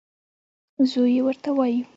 زوی یې ورته وايي: